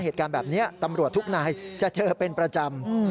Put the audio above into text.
ทุกนายจะเจอเป็นประจำ